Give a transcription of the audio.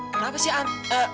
kenapa si al